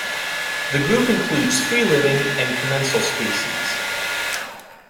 The group includes free-living and commensal species.